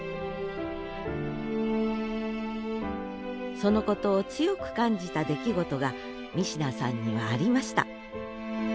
そのことを強く感じた出来事が三品さんにはありました